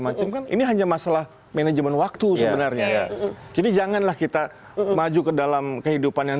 macam kan ini hanya masalah manajemen waktu sebenarnya jadi janganlah kita maju ke dalam kehidupan yang